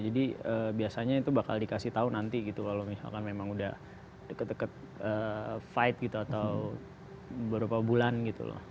jadi biasanya itu bakal dikasih tahu nanti gitu kalau misalkan memang udah deket deket fight gitu atau berapa bulan gitu loh